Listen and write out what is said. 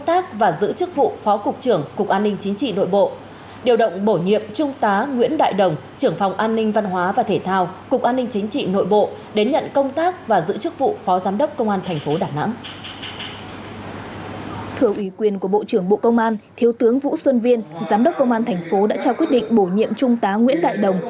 thừa ủy quyền của bộ trưởng bộ công an thiếu tướng vũ xuân viên giám đốc công an thành phố đã trao quyết định bổ nhiệm trung tá nguyễn đại đồng